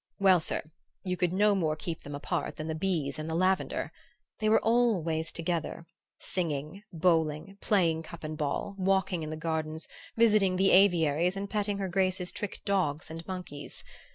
"Well, sir, you could no more keep them apart than the bees and the lavender. They were always together, singing, bowling, playing cup and ball, walking in the gardens, visiting the aviaries and petting her grace's trick dogs and monkeys.